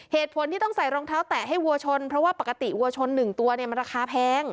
เหตุผลที่ต้องใส่รองเท้าแตะให้วัวชนเพราะว่าปกติวัวชน๑ตัวเนี่ยมันราคาแพง